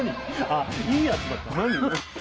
あっいいやつだった？